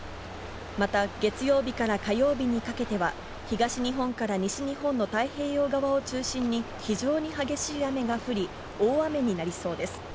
また、月曜日から火曜日にかけては、東日本から西日本の太平洋側を中心に、非常に激しい雨が降り、大雨になりそうです。